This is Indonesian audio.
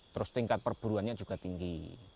terus tingkat perburuannya juga tinggi